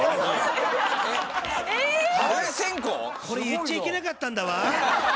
これ言っちゃいけなかったんだわ！